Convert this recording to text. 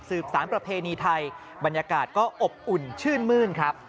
สารประเพณีไทยบรรยากาศก็อบอุ่นชื่นมื้นครับ